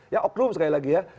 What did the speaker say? ya oknum sekali lagi ya